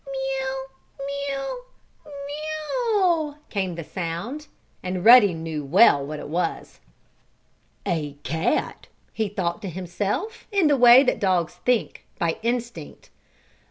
"Mew! Mew! Meaouw!" came the sound, and Ruddy well knew what it was. "A cat!" he thought to himself, in the way that dogs think, by instinct.